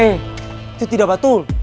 itu tidak betul